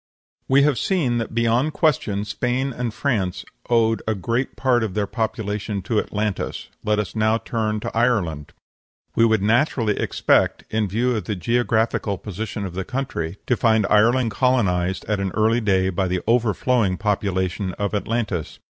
We have seen that beyond question Spain and France owed a great part of their population to Atlantis. Let us turn now to Ireland. We would naturally expect, in view of the geographical position of the country, to find Ireland colonized at an early day by the overflowing population of Atlantis.